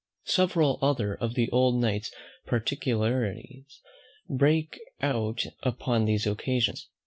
Several other of the old Knight's particularities break out upon these occasions.